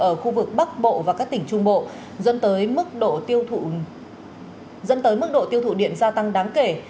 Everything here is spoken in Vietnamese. ở khu vực bắc bộ và các tỉnh trung bộ dẫn tới mức độ tiêu thụ điện gia tăng đáng kể